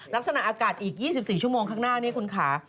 ลักษณะอากาศอีก๒๔ชั่วโมงข้างหน้านี่คุณค่ะ